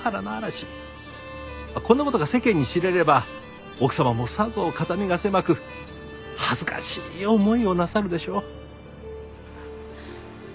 こんな事が世間に知れれば奥様もさぞ肩身が狭く恥ずかしい思いをなさるでしょう。